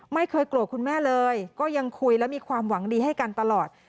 ไม่เคยโกรธคุณแม่เลยก็ยังคุยและมีความหวังดีให้กันตลอด